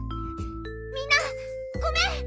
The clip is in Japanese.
みんなごめん！